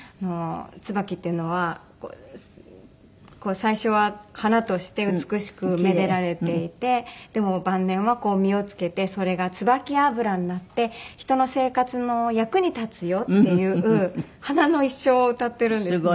椿っていうのは最初は花として美しくめでられていてでも晩年は実をつけてそれが椿油になって人の生活の役に立つよっていう花の一生を歌ってるんですね。